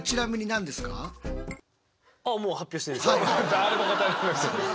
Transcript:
誰も答えられなくて。